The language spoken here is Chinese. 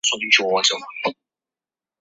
李翱为唐代贞元十四年进士。